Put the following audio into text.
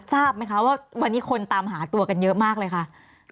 ทราบไหมคะว่าวันนี้คนตามหาตัวกันเยอะมากเลยค่ะ